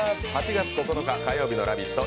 ８月９日火曜日の「ラヴィット！」